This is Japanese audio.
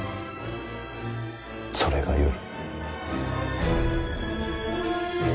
それがよい。